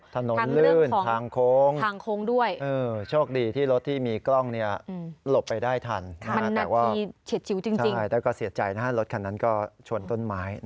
ถนนลื่นทางโค้งทางโค้งด้วย